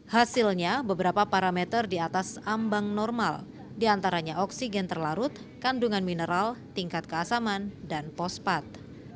hasilnya beberapa parameter di atas ambang normal diantaranya oksigen terlarut kandungan mineral tingkat keasaman dan pospat